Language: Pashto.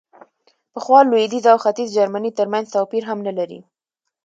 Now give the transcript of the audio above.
پخوا لوېدیځ او ختیځ جرمني ترمنځ توپیر هم نه لري.